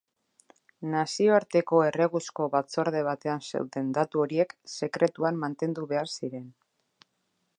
Nazioarteko erreguzko batzorde batean zeuden datu horiek sekretuan mantendu behar ziren.